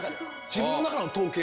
自分の中の統計。